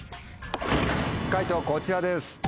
解答こちらです。